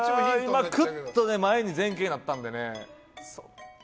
前に前傾になったんでね。